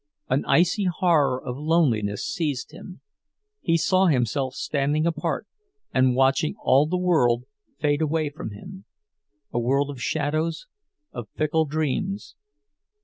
An icy horror of loneliness seized him; he saw himself standing apart and watching all the world fade away from him—a world of shadows, of fickle dreams.